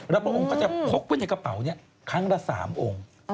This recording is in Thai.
แล้วพระองค์ก็จะพกไว้ในกระเป๋านี้ครั้งละ๓องค์